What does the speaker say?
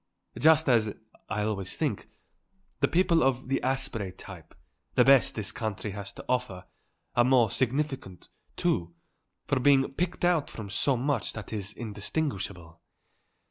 Just as, I always think, the people of the Asprey type, the best this country has to offer, are more significant, too, for being picked out from so much that is indistinguishable.